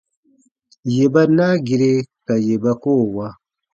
Yè ba naa gire ka yè ba koo wa.